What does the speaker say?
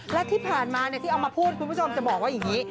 และที่ผ่านมาที่เอามาพูดคุณผู้ชมจะบอกว่าอย่างนี้